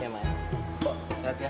mak gue sudah siap mak